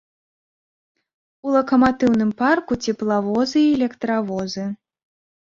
У лакаматыўным парку цеплавозы і электравозы.